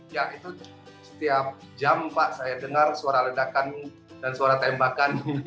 ya itu setiap jam pak saya dengar suara ledakan dan suara tembakan